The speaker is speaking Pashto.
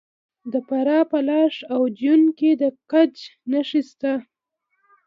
د فراه په لاش او جوین کې د ګچ نښې شته.